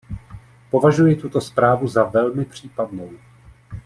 Považuji tuto zprávu za velmi případnou.